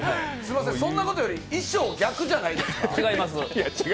そんなことより衣装逆じゃないですか？